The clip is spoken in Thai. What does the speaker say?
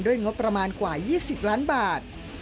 งบประมาณกว่า๒๐ล้านบาท